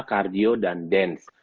kardio dan dance